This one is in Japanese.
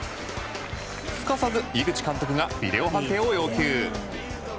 すかさず井口監督がビデオ判定を要求。